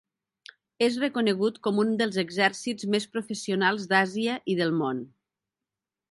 És reconegut com un dels exèrcits més professionals d'Àsia i del món.